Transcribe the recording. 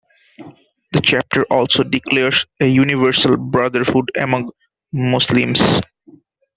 The chapter also declares a universal brotherhood among Muslims.